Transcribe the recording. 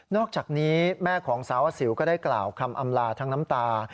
อกจากนี้แม่ของสาวสิวก็ได้กล่าวคำอำลาทั้งน้ำตา